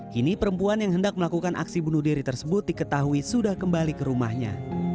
kini perempuan yang hendak melakukan aksi bunuh diri tersebut diketahui sudah kembali ke rumahnya